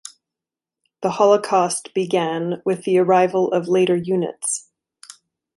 The Holocaust began with the arrival of later units.